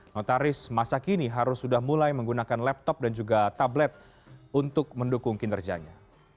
notaris masa kini harus sudah mulai menggunakan laptop dan juga tablet untuk mendukung kinerjanya